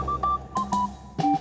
saya juga ngantuk